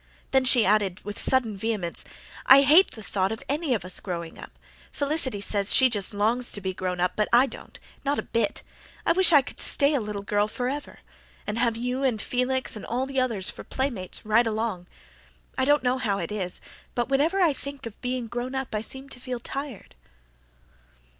Then she added, with sudden vehemence, "I hate the thought of any of us growing up. Felicity says she just longs to be grown up, but I don't, not a bit. I wish I could just stay a little girl for ever and have you and Felix and all the others for playmates right along. I don't know how it is but whenever I think of being grown up I seem to feel tired."